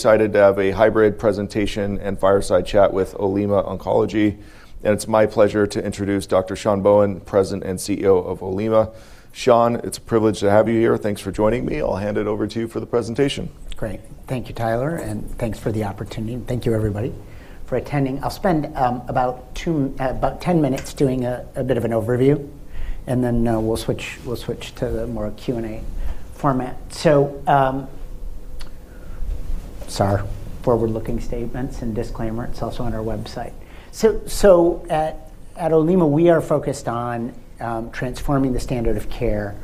Excited to have a hybrid presentation and fireside chat with Olema Oncology. It's my pleasure to introduce Dr. Sean P. Bohen, President and CEO of Olema. Sean, it's a privilege to have you here. Thanks for joining me. I'll hand it over to you for the presentation. Great. Thank you, Tyler, and thanks for the opportunity. Thank you everybody for attending. I'll spend about 10 minutes doing a bit of an overview, then we'll switch to the more Q&A format. Sorry, forward-looking statements and disclaimer, it's also on our website. At Olema, we are focused on transforming the standard of care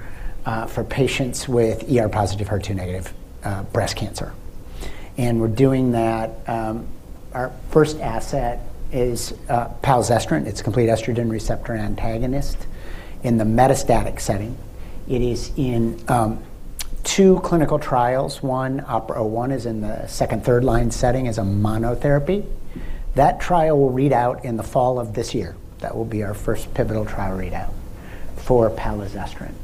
for patients with ER-positive, HER2-negative breast cancer, we're doing that. Our first asset is palazestrant. It's a complete estrogen receptor antagonist in the metastatic setting. It is in two clinical trials. One, OPERA-01, is in the second/third line setting as a monotherapy. That trial will read out in the fall of this year. That will be our first pivotal trial readout for palazestrant.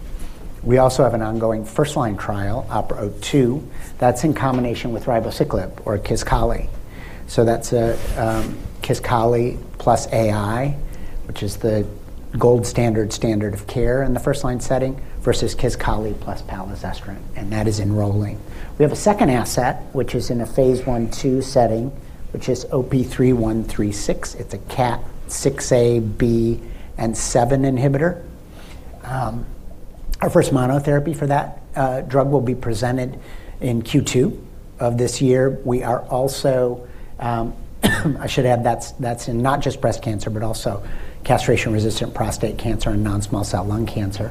We also have an ongoing first-line trial, OPERA-02. That's in combination with ribociclib, or Kisqali. That's a Kisqali plus AI, which is the gold standard of care in the first line setting versus Kisqali plus palazestrant, and that is enrolling. We have a second asset, which is in a phase I/II setting, which is OP-3136. It's a KAT6A/B, and VII inhibitor. Our first monotherapy for that drug will be presented in Q2 of this year. We are also, I should add that's in not just breast cancer, but also castration-resistant prostate cancer and non-small cell lung cancer.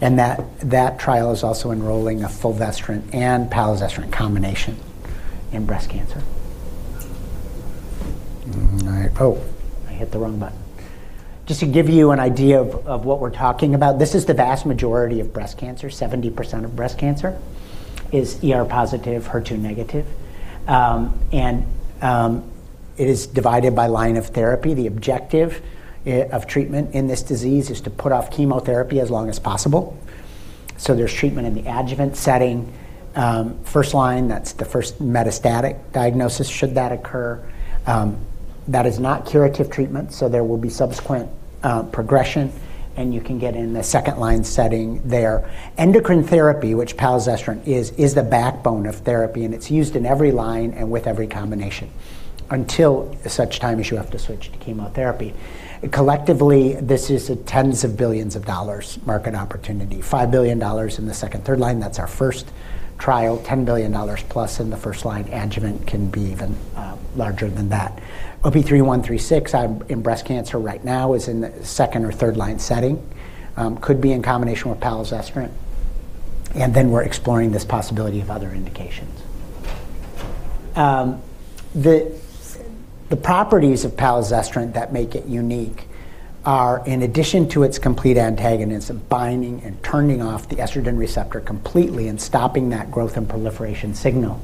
That trial is also enrolling a fulvestrant and palazestrant combination in breast cancer. All right. Oh, I hit the wrong button. Just to give you an idea of what we're talking about, this is the vast majority of breast cancer. 70% of breast cancer is ER+/HER2-. It is divided by line of therapy. The objective of treatment in this disease is to put off chemotherapy as long as possible. There's treatment in the adjuvant setting. First line, that's the first metastatic diagnosis should that occur. That is not curative treatment. There will be subsequent progression. You can get in the second line setting there. Endocrine therapy, which palazestrant is the backbone of therapy. It's used in every line and with every combination until such time as you have to switch to chemotherapy. Collectively, this is a tens of billions of dollars market opportunity. $5 billion in the second/third line, that's our first trial. $10 billion+ in the first line. Adjuvant can be even larger than that. OP-3136, in breast cancer right now is in the second or third line setting, could be in combination with palazestrant. We're exploring this possibility of other indications. The properties of palazestrant that make it unique are in addition to its complete antagonism, binding and turning off the estrogen receptor completely and stopping that growth and proliferation signal,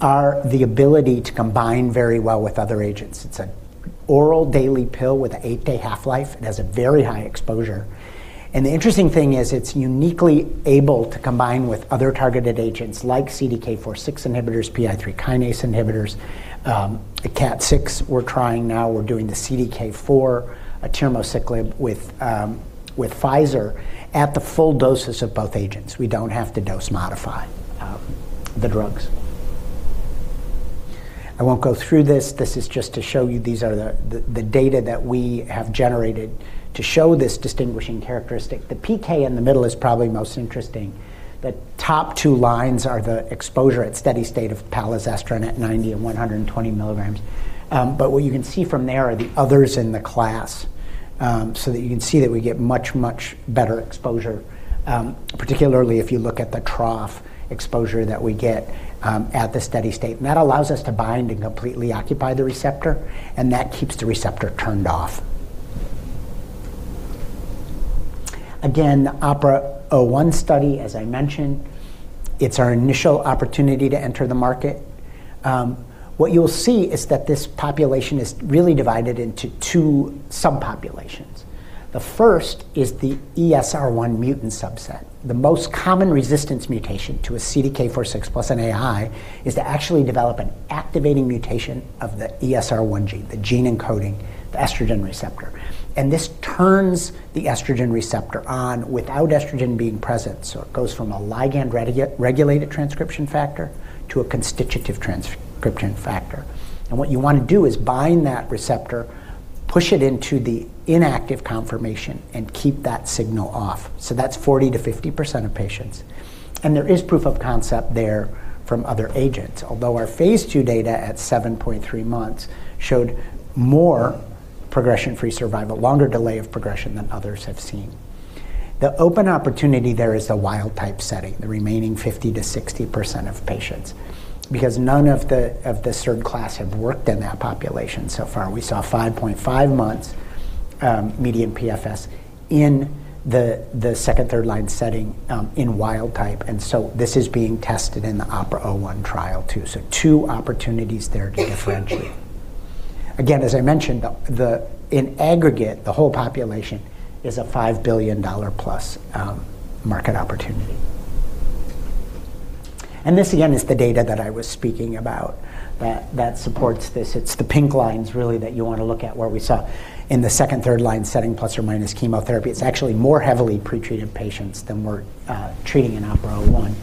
are the ability to combine very well with other agents. It's an oral daily pill with an eight-day half-life. It has a very high exposure. The interesting thing is it's uniquely able to combine with other targeted agents like CDK4/6 inhibitors, PI3 kinase inhibitors. The KAT6 we're trying now, we're doing the CDK4, atirmociclib with Pfizer at the full doses of both agents. We don't have to dose modify the drugs. I won't go through this. This is just to show you these are the data that we have generated to show this distinguishing characteristic. The PK in the middle is probably most interesting. The top two lines are the exposure at steady state of palazestrant at 90 and 120 milligrams. What you can see from there are the others in the class, so that you can see that we get much better exposure, particularly if you look at the trough exposure that we get at the steady state. That allows us to bind and completely occupy the receptor, and that keeps the receptor turned off. Again, the OPERA-01 study, as I mentioned, it's our initial opportunity to enter the market. What you'll see is that this population is really divided into two subpopulations. The first is the ESR1 mutant subset. The most common resistance mutation to a CDK4/6 plus an AI is to actually develop an activating mutation of the ESR1 gene, the gene encoding the estrogen receptor. This turns the estrogen receptor on without estrogen being present. It goes from a ligand-regulated transcription factor to a constitutive transcription factor. What you want to do is bind that receptor, push it into the inactive conformation, and keep that signal off. That's 40% to 50% of patients. There is proof of concept there from other agents. Although our phase II data at 7.3 months showed more progression-free survival, longer delay of progression than others have seen. The open opportunity there is the wild-type setting, the remaining 50% to 60% of patients, because none of the SERD class have worked in that population so far. We saw 5.5 months median PFS in the second/third-line setting in wild type. This is being tested in the OPERA-01 trial too. Two opportunities there to differentiate. As I mentioned, in aggregate, the whole population is a $5 billion+ market opportunity. This again is the data that I was speaking about that supports this. It's the pink lines really that you wanna look at, where we saw in the second, third-line setting, ± chemotherapy. It's actually more heavily pre-treated patients than we're treating in OPERA-01,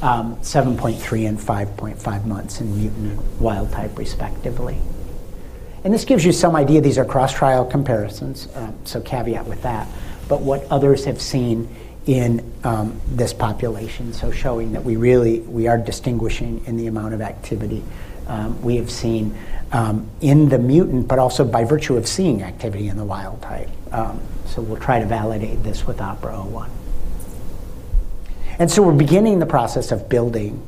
7.3 and 5.5 months in mutant and wild type respectively. This gives you some idea. These are cross-trial comparisons, caveat with that. What others have seen in this population, showing that we are distinguishing in the amount of activity we have seen in the mutant, but also by virtue of seeing activity in the wild type. We'll try to validate this with OPERA-01. We're beginning the process of building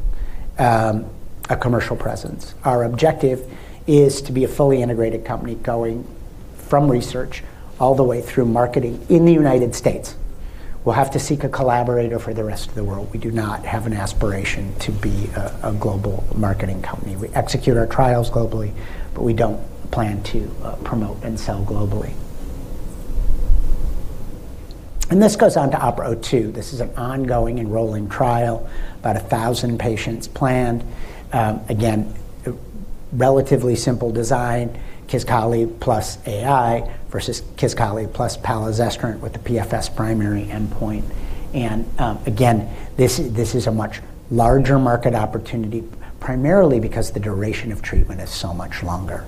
a commercial presence. Our objective is to be a fully integrated company going from research all the way through marketing in the United States. We'll have to seek a collaborator for the rest of the world. We do not have an aspiration to be a global marketing company. We execute our trials globally, but we don't plan to promote and sell globally. This goes on to OPERA-02. This is an ongoing enrolling trial, about 1,000 patients planned. Again, relatively simple design, Kisqali plus AI versus Kisqali plus palazestrant with the PFS primary endpoint. Again, this is a much larger market opportunity, primarily because the duration of treatment is so much longer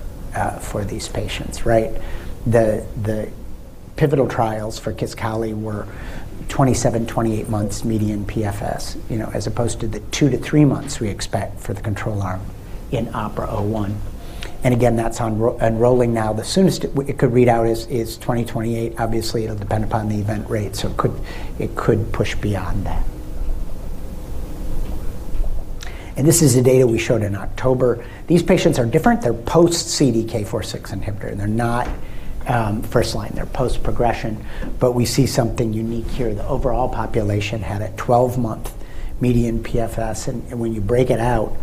for these patients, right? The pivotal trials for Kisqali were 27-28 months median PFS, you know, as opposed to the 2-3 months we expect for the control arm in OPERA-01. Again, that's enrolling now. The soonest it could read out is 2028. Obviously, it'll depend upon the event rate, so it could push beyond that. This is the data we showed in October. These patients are different. They're post CDK4/6 inhibitor, and they're not first-line. They're post-progression. We see something unique here. The overall population had a 12-month median PFS. When you break it out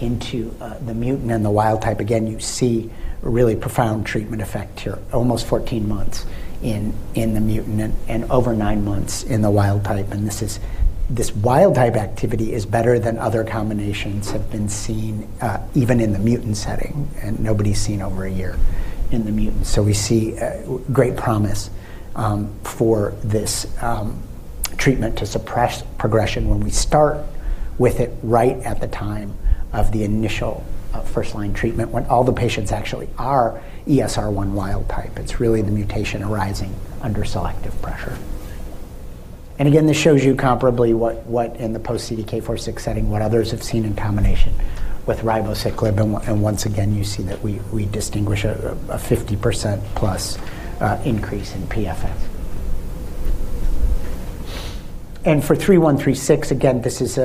into the mutant and the wild type, again, you see a really profound treatment effect here, almost 14 months in the mutant and over nine months in the wild type. This wild type activity is better than other combinations have been seen, even in the mutant setting, and nobody's seen over a year in the mutant. We see great promise for this treatment to suppress progression when we start with it right at the time of the initial first-line treatment when all the patients actually are ESR1 wild type. It's really the mutation arising under selective pressure. Again, this shows you comparably what in the post CDK4/6 setting, what others have seen in combination with ribociclib. Once again, you see that we distinguish a 50%+ increase in PFS. For OP-3136, again, this is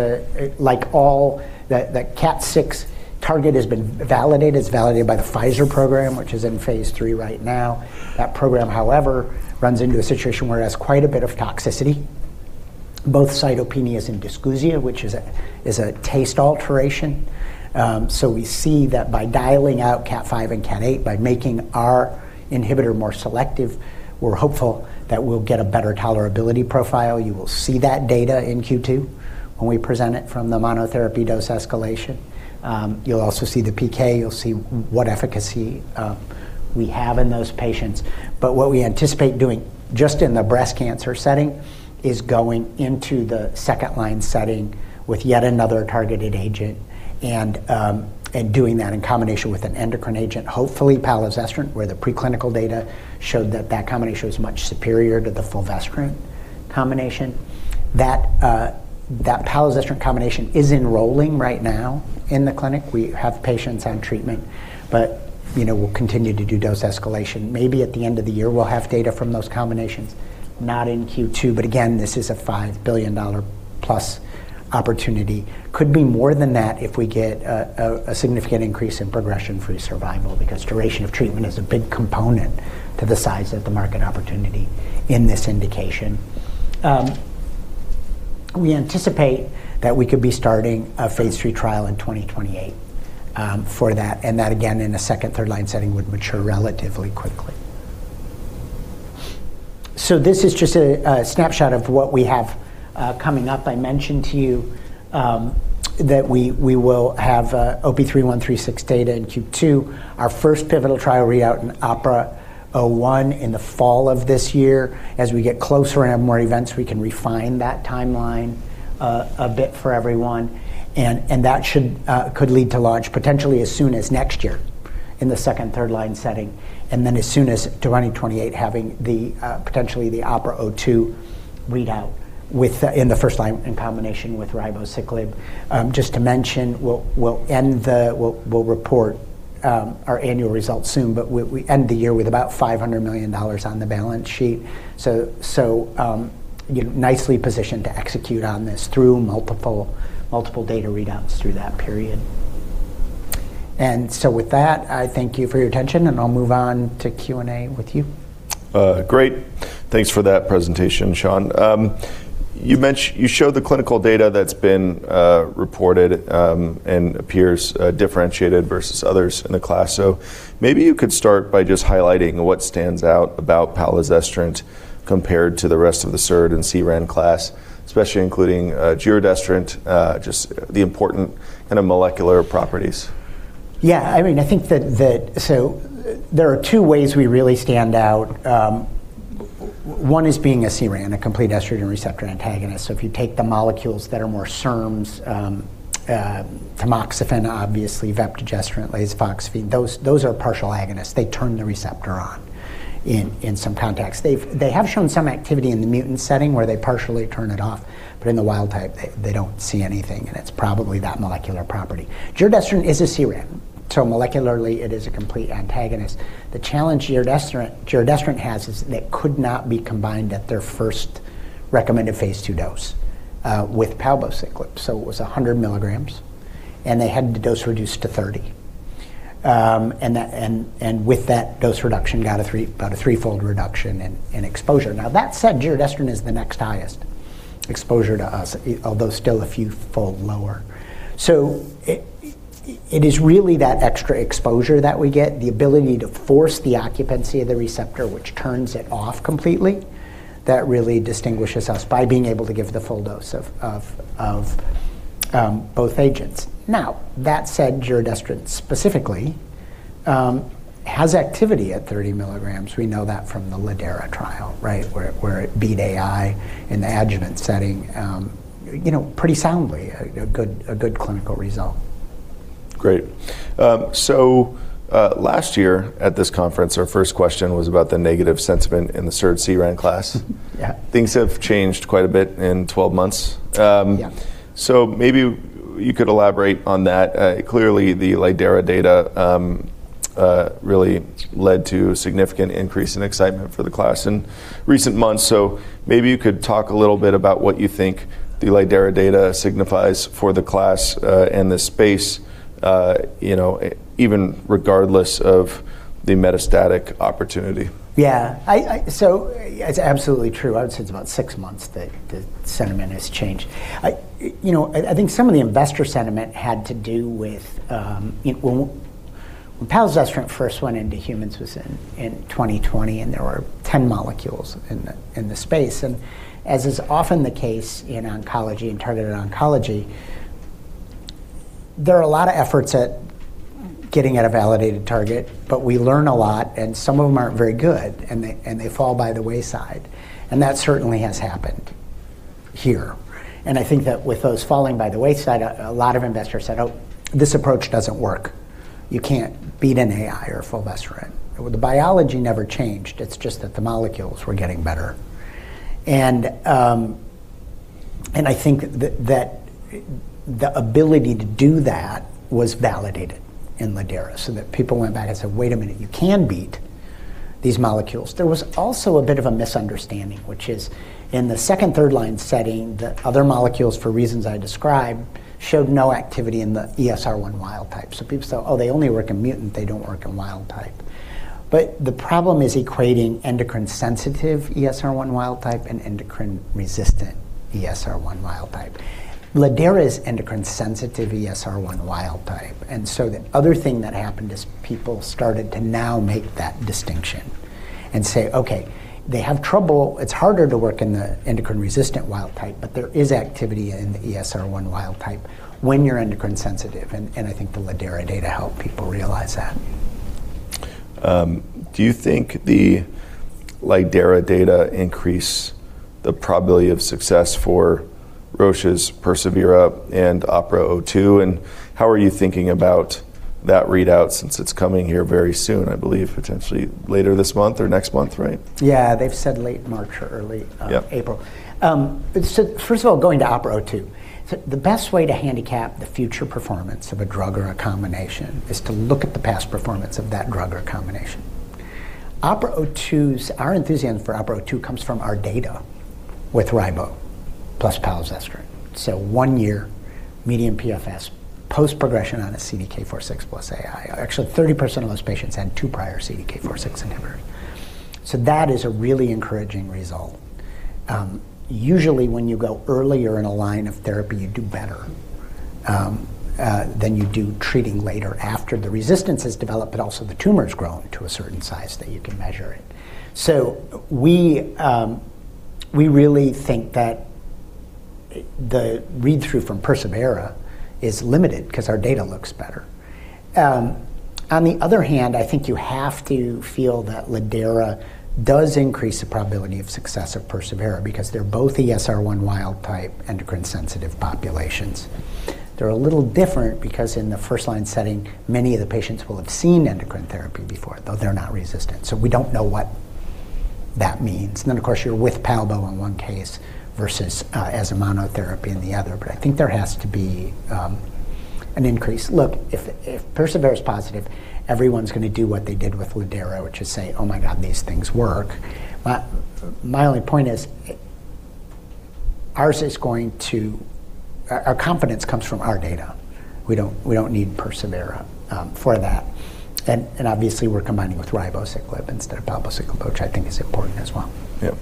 like all the KAT6 target has been validated. It's validated by the Pfizer program, which is in phase III right now. That program, however, runs into a situation where it has quite a bit of toxicity, both cytopenias and dysgeusia, which is a taste alteration. We see that by dialing out KAT5 and KAT8, by making our inhibitor more selective, we're hopeful that we'll get a better tolerability profile. You will see that data in Q2 when we present it from the monotherapy dose escalation. You'll also see the PK. You'll see what efficacy we have in those patients. What we anticipate doing just in the breast cancer setting is going into the second-line setting with yet another targeted agent and doing that in combination with an endocrine agent. Hopefully, palazestrant, where the preclinical data showed that that combination was much superior to the fulvestrant combination. That palazestrant combination is enrolling right now in the clinic. We have patients on treatment, but, you know, we'll continue to do dose escalation. Maybe at the end of the year, we'll have data from those combinations, not in Q2. Again, this is a $5 billion+ opportunity. Could be more than that if we get a significant increase in progression-free survival because duration of treatment is a big component to the size of the market opportunity in this indication. We anticipate that we could be starting a phase III trial in 2028 for that. That, again, in a second, third-line setting would mature relatively quickly. This is just a snapshot of what we have coming up. I mentioned to you that we will have OP-3136 data in Q2, our first pivotal trial readout in OPERA-01 in the fall of this year. As we get closer and have more events, we can refine that timeline a bit for everyone. That should could lead to launch potentially as soon as next year in the second, third-line setting. As soon as 2028, having potentially the OPERA-02 readout in the first line in combination with ribociclib. Just to mention, we'll report our annual results soon, but we end the year with about $500 million on the balance sheet. You know, nicely positioned to execute on this through multiple data readouts through that period. With that, I thank you for your attention, and I'll move on to Q&A with you. Great. Thanks for that presentation, Sean. You showed the clinical data that's been reported, and appears differentiated versus others in the class. Maybe you could start by just highlighting what stands out about palazestrant compared to the rest of the SERD and CERAN class, especially including giredestrant, just the important kind of molecular properties. Yeah. I mean, I think that there are two ways we really stand out. One is being a CERAN, a complete estrogen receptor antagonist. If you take the molecules that are more SERMs, tamoxifen, obviously vepdegestrant, lasofoxifene, those are partial agonists. They turn the receptor on in some contexts. They have shown some activity in the mutant setting where they partially turn it off, but in the wild type, they don't see anything, and it's probably that molecular property. Giredestrant is a CERAN, molecularly it is a complete antagonist. The challenge giredestrant has is that it could not be combined at their first recommended phase II dose with palbociclib. It was 100 milligrams, and they had the dose reduced to 30. That. With that dose reduction got about a threefold reduction in exposure. That said, giredestrant is the next highest exposure to us, although still a few fold lower. It is really that extra exposure that we get, the ability to force the occupancy of the receptor, which turns it off completely. That really distinguishes us by being able to give the full dose of both agents. That said, giredestrant specifically has activity at 30 milligrams. We know that from the lidERA trial, right? Where it beat AI in the adjuvant setting, you know, pretty soundly a good clinical result. Great. Last year at this conference, our first question was about the negative sentiment in the SERD/CERAN class. Yeah. Things have changed quite a bit in 12 months. Yeah. Maybe you could elaborate on that. Clearly the lidERA data, really led to a significant increase in excitement for the class in recent months. Maybe you could talk a little bit about what you think the lidERA data signifies for the class, and the space, you know, even regardless of the metastatic opportunity. It's absolutely true. I would say it's about six months that the sentiment has changed. I, you know, I think some of the investor sentiment had to do with when palazestrant first went into humans was in 2020 and there were 10 molecules in the space. As is often the case in oncology and targeted oncology, there are a lot of efforts at getting at a validated target. We learn a lot and some of them aren't very good, and they fall by the wayside. That certainly has happened here. I think that with those falling by the wayside, a lot of investors said, "Oh, this approach doesn't work. You can't beat an AI or fulvestrant." The biology never changed. It's just that the molecules were getting better. I think that the ability to do that was validated in lidERA. People went back and said, "Wait a minute, you can beat these molecules." There was also a bit of a misunderstanding, which is in the second third line setting, the other molecules, for reasons I described, showed no activity in the ESR1 wild type. People say, "Oh, they only work in mutant, they don't work in wild type." The problem is equating endocrine sensitive ESR1 wild type and endocrine resistant ESR1 wild type. lidERA is endocrine sensitive ESR1 wild type. The other thing that happened is people started to now make that distinction and say, "Okay, they have trouble. It's harder to work in the endocrine resistant wild type, but there is activity in the ESR1 wild type when you're endocrine sensitive. I think the lidERA data helped people realize that. Do you think the lidERA data increase the probability of success for Roche's persevERA and OPERA-02? How are you thinking about that readout since it's coming here very soon, I believe potentially later this month or next month, right? Yeah. They've said late March or early- Yeah. April. First of all, going to OPERA-02. The best way to handicap the future performance of a drug or a combination is to look at the past performance of that drug or combination. Our enthusiasm for OPERA-02 comes from our data with ribo plus palazestrant. One year median PFS post-progression on a CDK4/6 plus AI. Actually, 30% of those patients had two prior CDK4/6 inhibitors. That is a really encouraging result. Usually when you go earlier in a line of therapy, you do better than you do treating later after the resistance has developed but also the tumor's grown to a certain size that you can measure it. We really think that the read-through from persevERA is limited because our data looks better. On the other hand, I think you have to feel that lidERA does increase the probability of success of persevERA because they're both ESR1 wild type endocrine sensitive populations. They're a little different because in the first line setting, many of the patients will have seen endocrine therapy before, though they're not resistant. We don't know what that means. Of course, you're with palbo in one case versus as a monotherapy in the other. I think there has to be an increase. Look, if persevERA is positive, everyone's gonna do what they did with lidERA, which is say, "Oh my God, these things work." My only point is. Our confidence comes from our data. We don't need persevERA for that. Obviously, we're combining with ribociclib instead of palbociclib, which I think is important as well. Yeah.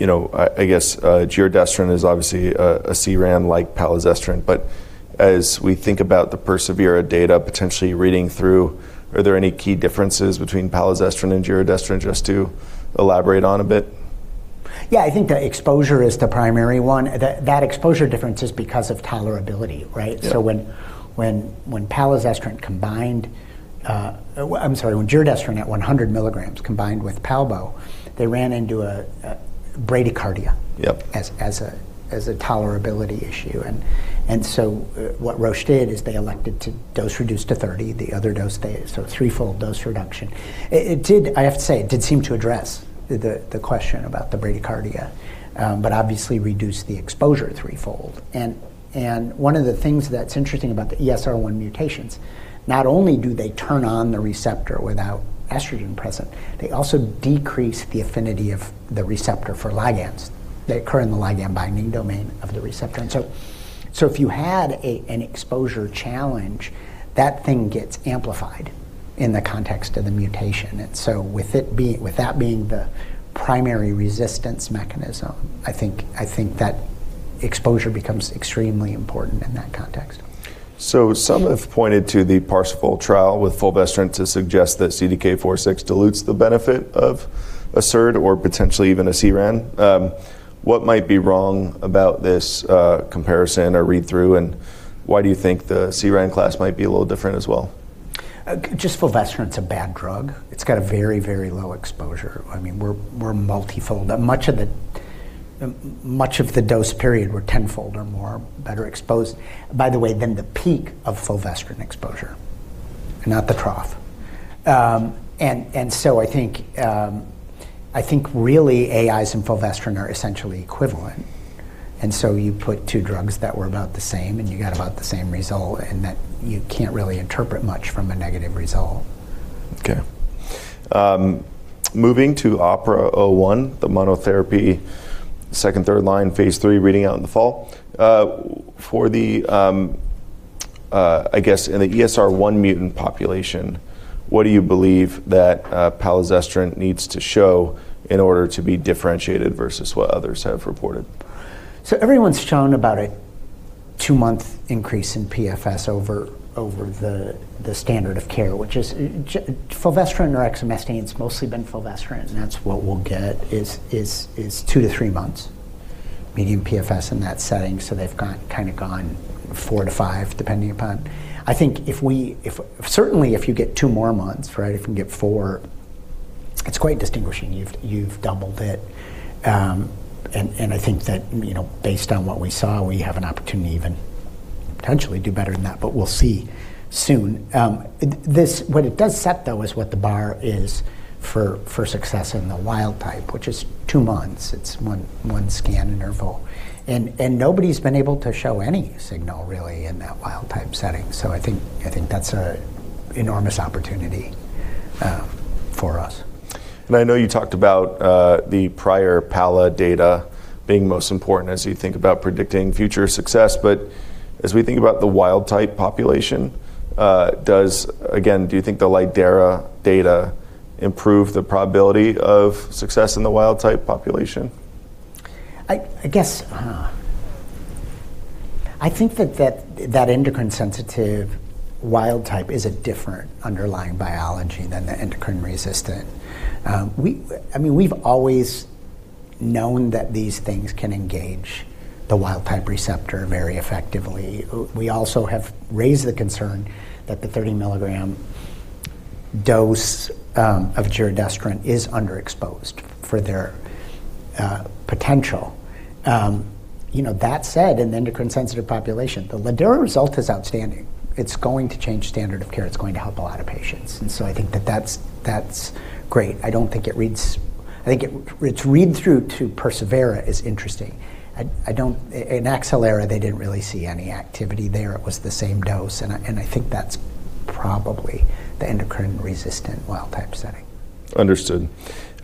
You know, I guess, giredestrant is obviously a CERAN like palazestrant. As we think about the persevERA data potentially reading through, are there any key differences between palazestrant and giredestrant, just to elaborate on a bit? Yeah, I think the exposure is the primary one. That exposure difference is because of tolerability, right? Yeah. When palazestrant combined, or I'm sorry, when giredestrant at 100 milligrams combined with palbo, they ran into a bradycardia. Yep.... as a tolerability issue. What Roche did is they elected to dose reduce to 30 the other dose they... Threefold dose reduction. I have to say, it did seem to address the question about the bradycardia, but obviously reduced the exposure threefold. One of the things that's interesting about the ESR1 mutations, not only do they turn on the receptor without estrogen present, they also decrease the affinity of the receptor for ligands. They occur in the ligand binding domain of the receptor. If you had an exposure challenge, that thing gets amplified in the context of the mutation. With that being the primary resistance mechanism, I think that exposure becomes extremely important in that context. Some have pointed to the PARSIFAL trial with fulvestrant to suggest that CDK4/6 dilutes the benefit of a SERD or potentially even a CERAN. What might be wrong about this comparison or read-through, and why do you think the CERAN class might be a little different as well? Just fulvestrant's a bad drug. It's got a very, very low exposure. I mean, we're multifold. Much of the dose period were tenfold or more better exposed, by the way, than the peak of fulvestrant exposure, not the trough. I think really AIs and fulvestrant are essentially equivalent. You put two drugs that were about the same, and you got about the same result, and that you can't really interpret much from a negative result. Okay. Moving to OPERA-01, the monotherapy second/third line phase III reading out in the fall. For the, I guess, in the ESR1 mutant population, what do you believe that palazestrant needs to show in order to be differentiated versus what others have reported? Everyone's shown about a two-month increase in PFS over the standard of care, which is fulvestrant or exemestane. It's mostly been fulvestrant, and that's what we'll get is two to three months median PFS in that setting. They've gone four to five, depending upon. I think if you get two more months, right? If you can get four, it's quite distinguishing. You've doubled it. I think that, you know, based on what we saw, we have an opportunity to even potentially do better than that, but we'll see soon. What it does set though is what the bar is for success in the wild type, which is two months. It's one scan interval. Nobody's been able to show any signal really in that wild type setting. I think that's a enormous opportunity for us. I know you talked about the prior palazestrant data being most important as you think about predicting future success. As we think about the wild type population, again, do you think the lidERA data improve the probability of success in the wild type population? I guess, I think that endocrine sensitive wild type is a different underlying biology than the endocrine resistant. I mean, we've always known that these things can engage the wild type receptor very effectively. We also have raised the concern that the 30-milligram dose of giredestrant is underexposed for their potential. You know that said, in the endocrine sensitive population, the lidERA result is outstanding. It's going to change standard of care. It's going to help a lot of patients. I think that's great. I don't think it reads, I think its read-through to persevERA is interesting. I don't, in acelera, they didn't really see any activity there. It was the same dose, and I think that's probably the endocrine resistant wild type setting. Understood.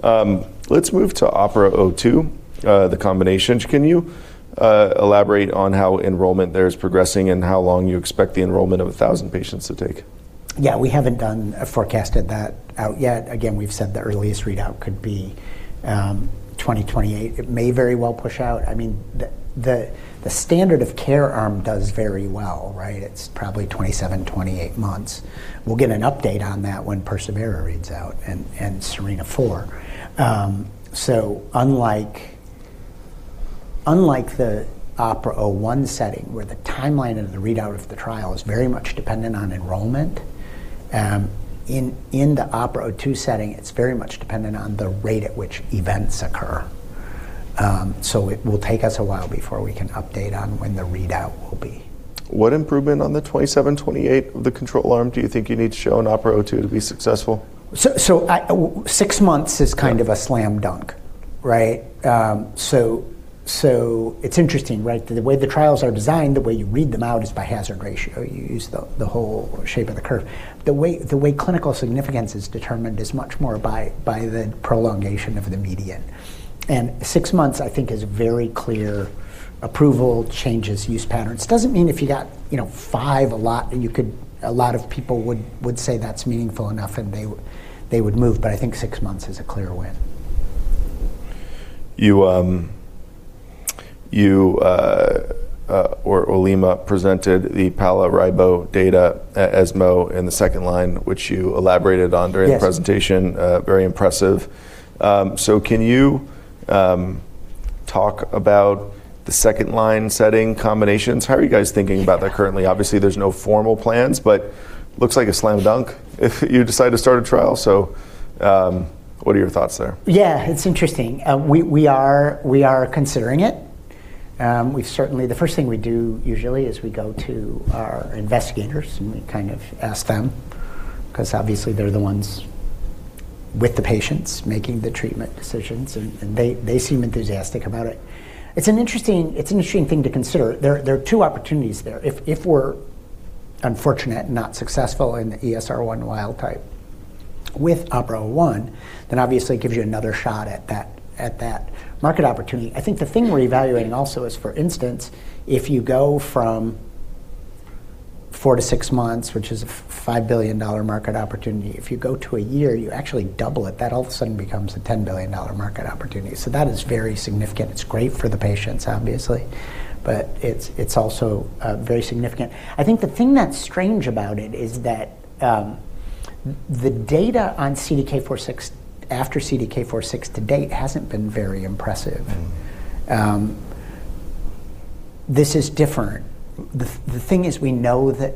Let's move to OPERA-02, the combination. Can you elaborate on how enrollment there is progressing and how long you expect the enrollment of a 1,000 patients to take? Yeah. We haven't done a forecast at that out yet. Again, we've said the earliest readout could be 2028. It may very well push out. I mean, the standard of care arm does very well, right? It's probably 27, 28 months. We'll get an update on that when persevERA reads out and SERENA-4. Unlike, unlike the OPERA-01 setting, where the timeline of the readout of the trial is very much dependent on enrollment, in the OPERA-02 setting, it's very much dependent on the rate at which events occur. It will take us a while before we can update on when the readout will be. What improvement on the 27, 28 of the control arm do you think you need to show in OPERA-02 to be successful? Six months is kind of a slam dunk, right? It's interesting, right? The way the trials are designed, the way you read them out is by hazard ratio. You use the whole shape of the curve. The way clinical significance is determined is much more by the prolongation of the median. Six months, I think, is very clear approval changes use patterns. Doesn't mean if you got, you know, five a lot, you could. A lot of people would say that's meaningful enough, and they would move, but I think six months is a clear win. You, or Olema presented the palbociclib data at ESMO in the second line, which you elaborated on- Yes. ...during the presentation. Very impressive. Can you talk about the second line setting combinations? How are you guys thinking about that currently? Obviously, there's no formal plans, but looks like a slam dunk if you decide to start a trial. What are your thoughts there? Yeah, it's interesting. We are considering it. We certainly. The first thing we do usually is we go to our investigators and we kind of ask them, 'cause obviously they're the ones with the patients making the treatment decisions, and they seem enthusiastic about it. It's an interesting thing to consider. There are two opportunities there. If we're unfortunate, not successful in the ESR1 wild type with OPERA-01, it gives you another shot at that market opportunity. I think the thing we're evaluating also is, for instance, if you go from four to six months, which is a $5 billion market opportunity, if you go to a year, you actually double it. That all of a sudden becomes a $10 billion market opportunity. That is very significant. It's great for the patients, obviously, but it's also very significant. I think the thing that's strange about it is that the data on CDK4/6, after CDK4/6 to date hasn't been very impressive. Mm. This is different. The thing is we know that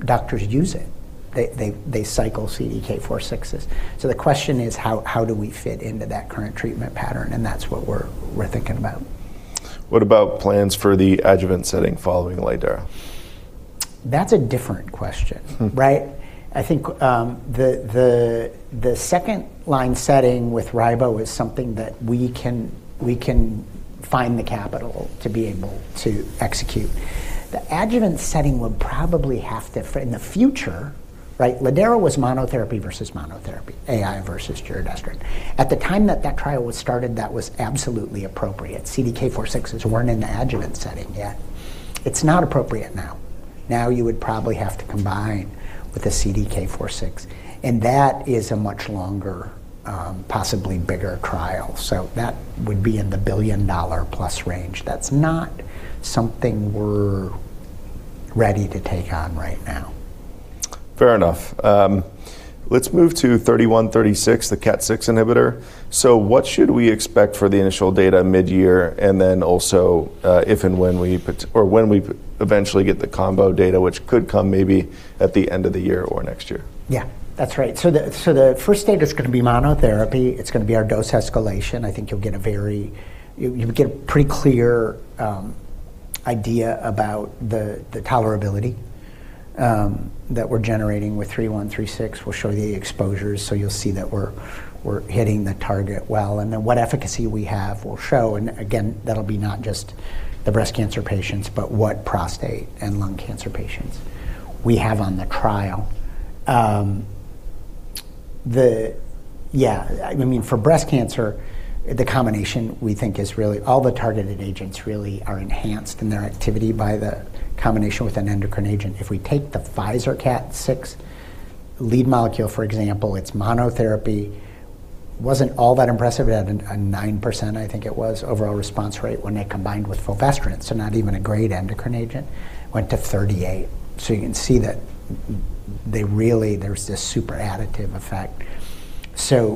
doctors use it. They cycle CDK4/6s. The question is, how do we fit into that current treatment pattern? That's what we're thinking about. What about plans for the adjuvant setting following lidERA? That's a different question, right? Mm. I think, the second line setting with ribo is something that we can find the capital to be able to execute. The adjuvant setting would probably have to, in the future, right. lidERA was monotherapy versus monotherapy, AI versus giredestrant. At the time that that trial was started, that was absolutely appropriate. CDK4/6s weren't in the adjuvant setting yet. It's not appropriate now. Now you would probably have to combine with a CDK4/6, and that is a much longer, possibly bigger trial. That would be in the $1 billion+ range. That's not something we're ready to take on right now. Fair enough. Let's move to OP-3136, the KAT6 inhibitor. What should we expect for the initial data midyear, and then also, if and when we eventually get the combo data, which could come maybe at the end of the year or next year? Yeah, that's right. The first data's gonna be monotherapy. It's gonna be our dose escalation. I think you'll get a pretty clear idea about the tolerability that we're generating with OP-3136. We'll show the exposures, so you'll see that we're hitting the target well, and then what efficacy we have, we'll show. Again, that'll be not just the breast cancer patients, but what prostate and lung cancer patients we have on the trial. Yeah. I mean, for breast cancer, the combination we think is really all the targeted agents really are enhanced in their activity by the combination with an endocrine agent. If we take the Pfizer KAT6 lead molecule, for example, it's monotherapy wasn't all that impressive. It had a 9%, I think it was, overall response rate when they combined with fulvestrant, so not even a great endocrine agent. Went to 38. You can see that they really, there's this super additive effect.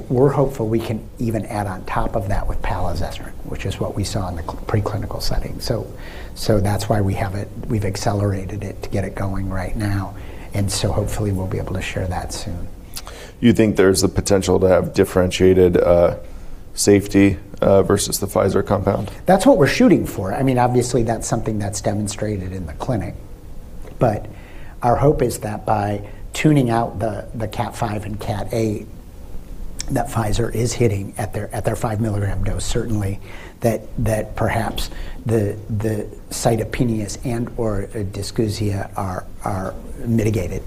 We're hopeful we can even add on top of that with palazestrant, which is what we saw in the preclinical setting. That's why we have it, we've accelerated it to get it going right now. Hopefully we'll be able to share that soon. You think there's the potential to have differentiated, safety, versus the Pfizer compound? That's what we're shooting for. I mean, obviously that's something that's demonstrated in the clinic. Our hope is that by tuning out the KAT5 and KAT8 that Pfizer is hitting at their 5-milligram dose, certainly that perhaps the cytopenias and or dysgeusia are mitigated.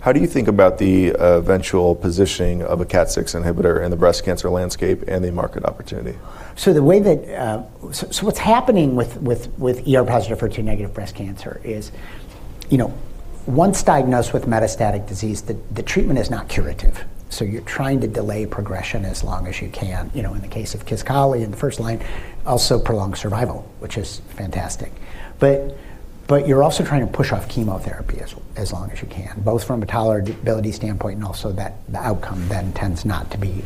How do you think about the eventual positioning of a KAT6 inhibitor in the breast cancer landscape and the market opportunity? The way that what's happening with ER positive, HER2-negative breast cancer is, you know, once diagnosed with metastatic disease, the treatment is not curative. You're trying to delay progression as long as you can. You know, in the case of Kisqali in the first line, also prolong survival, which is fantastic. You're also trying to push off chemotherapy as long as you can, both from a tolerability standpoint and also that the outcome then tends not to be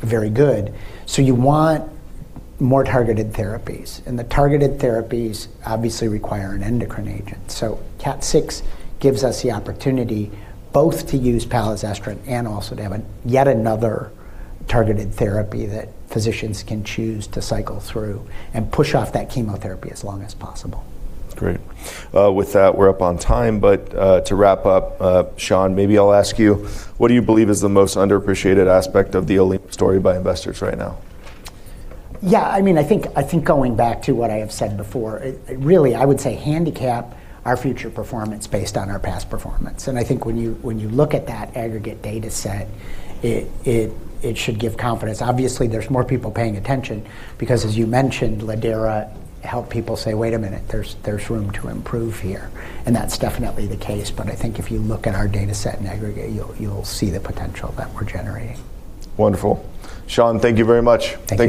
very good. You want more targeted therapies, and the targeted therapies obviously require an endocrine agent. KAT6 gives us the opportunity both to use palazestrant and also to have an yet another targeted therapy that physicians can choose to cycle through and push off that chemotherapy as long as possible. Great. With that, we're up on time, but, to wrap up, Sean, maybe I'll ask you, what do you believe is the most underappreciated aspect of the Olema story by investors right now? Yeah, I mean, I think going back to what I have said before, it really, I would say handicap our future performance based on our past performance. I think when you, when you look at that aggregate data set, it should give confidence. Obviously, there's more people paying attention because, as you mentioned, lidERA helped people say, "Wait a minute, there's room to improve here." That's definitely the case, but I think if you look at our data set in aggregate, you'll see the potential that we're generating. Wonderful. Sean, thank you very much. Thank you.